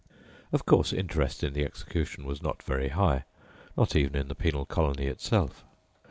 Of course, interest in the execution was not very high, not even in the penal colony itself.